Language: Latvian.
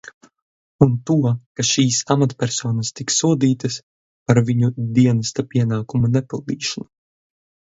Un to, kā šīs amatpersonas tiks sodītas par viņu dienesta pienākumu nepildīšanu.